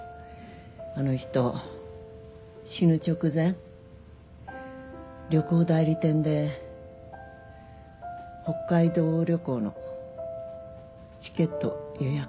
あの人死ぬ直前旅行代理店で北海道旅行のチケット予約してくれてた。